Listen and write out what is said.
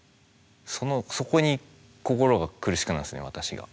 そのそこに心が苦しくなるんですね私が。